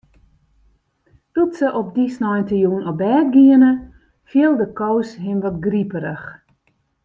Doe't se op dy sneintejûn op bêd giene, fielde Koos him wat griperich.